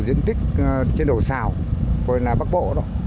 diện tích trên đồ xào gọi là bắc bộ đó